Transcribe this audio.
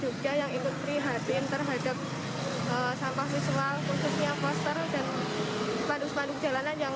jogja yang imput prihatin terhadap sampah visual khususnya poster dan paduk paduk jalanan yang